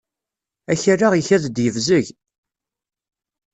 Akal-a ikad-d yebzeg.